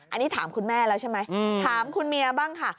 อันนี้ถามคุณแม่แล้วใช่ไหมถามคุณเมียบ้างค่ะ